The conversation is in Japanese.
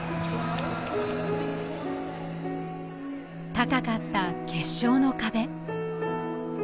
高かった決勝の壁